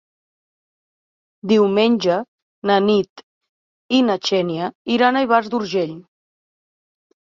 Diumenge na Nit i na Xènia iran a Ivars d'Urgell.